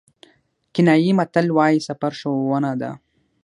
کینیايي متل وایي سفر ښوونه ده.